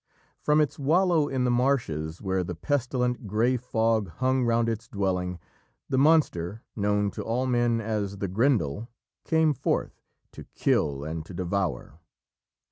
From its wallow in the marshes, where the pestilent grey fog hung round its dwelling, the monster, known to all men as the Grendel, came forth, to kill and to devour.